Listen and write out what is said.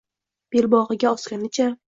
Belbog’iga osganicha